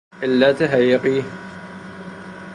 علت حقیقی